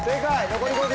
残り５０。